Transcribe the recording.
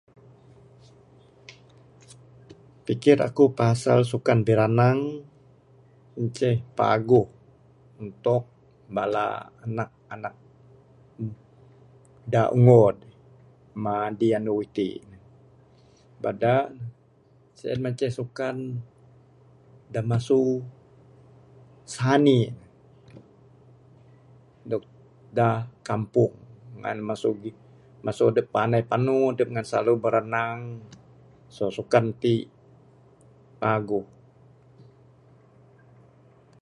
Pikir akuk pasal sukan biranang en ceh paguh untuk bala anak anak da ung'od madi andu iti. Bada sien mah ceh sukan da masu sanik dog da kampung. Ngan masu, masu adup pandai panu dup ngan slalu berenang. So sukan tik paguh.